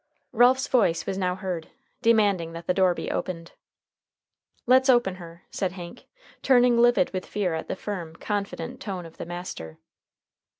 Ralph's voice was now heard, demanding that the door be opened. "Let's open her," said Hank, turning livid with fear at the firm, confident tone of the master.